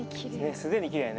既にきれいやね。